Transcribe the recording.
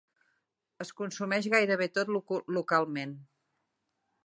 Es consumeix gairebé tot localment.